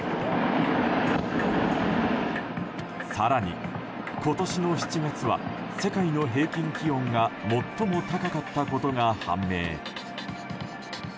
更に今年の７月は世界の平均気温が最も高かったことが判明。